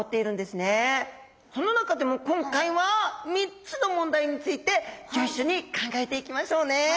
その中でも今回は３つの問題についてギョ一緒に考えていきましょうね。